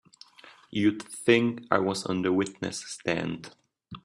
You'd think I was on the witness stand!